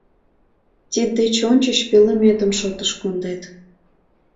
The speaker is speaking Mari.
Тиддеч ончыч пӧлеметым шотыш кондет.